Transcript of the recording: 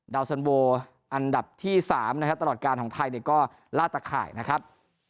สันโวอันดับที่๓นะครับตลอดการของไทยก็ลาดตะข่ายนะครับ